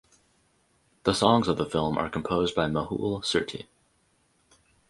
The songs of the film are composed by Mehul Surti.